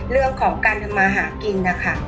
เรื่องของการทำมาหากินนะคะ